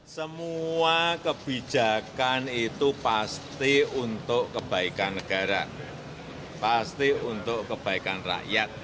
semua kebijakan itu pasti untuk kebaikan negara pasti untuk kebaikan rakyat